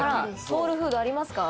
ソウルフードありますか？